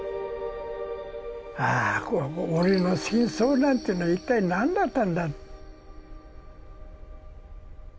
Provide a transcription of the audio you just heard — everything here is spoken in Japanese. ああ俺の戦争なんていうのは一体なんだったんだ？